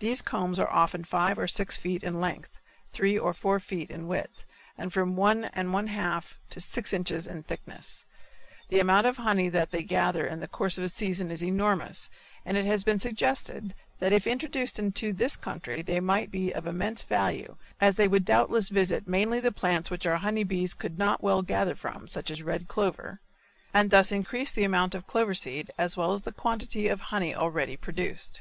These combs are often five or six feet in length, three or four feet in width and from one and one half to six inches in thickness. The amount of honey that they gather in the course of a season is enormous and it has been suggested that if introduced into this country they might be of immense value as they would doubtless visit mainly the plants which our honey bees could not well gather from, such as red clover, and thus increase the amount of clover seed as well as the quantity of honey already produced.